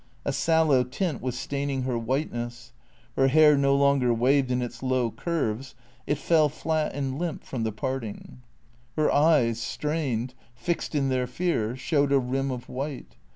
A sallow tint was staining her whiteness. Her hair no longer waved in its low curves ; it fell flat and limp from tlie parting. Her eyes, strained, fixed in their fear, showed a rim of white.